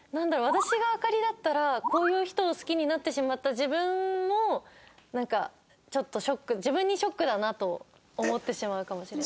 私がアカリだったらこういう人を好きになってしまった自分もなんかちょっとショック自分にショックだなと思ってしまうかもしれません。